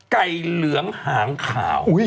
เหลืองหางขาว